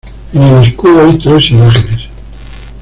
En el escudo hay tres imágenes.